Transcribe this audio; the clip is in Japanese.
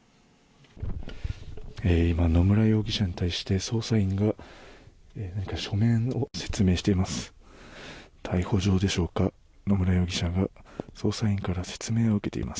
今、野村容疑者に対して捜査員が書面を説明しています。